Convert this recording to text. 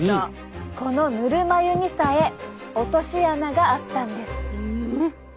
このぬるま湯にさえ落とし穴があったんです。